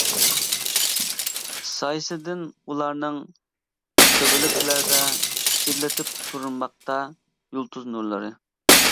سايىسىدىن ئۇلارنىڭ تۆپىلىكلەردە ئىللىتىپ تۇرماقتا يۇلتۇز نۇرلىرى.